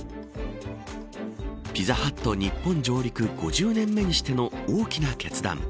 ピザハット日本上陸５０年目にしての大きな決断。